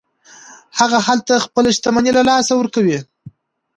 هغه هلته خپله شتمني له لاسه ورکوي.